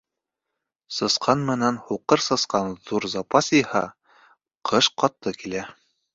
Сысҡан менән һуҡыр сысҡан ҙур запас йыйһа, ҡыш ҡаты килә.